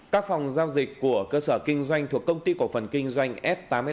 các phòng giao dịch của cơ sở kinh doanh thuộc công ty cổ phần kinh doanh s